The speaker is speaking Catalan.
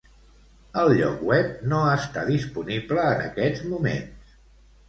El lloc web no està disponible en aquests moments